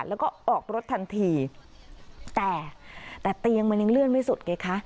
แล้วก็ออกรถทันทีแต่แต่เตียงมันยังเลื่อนไม่สุดไงคะ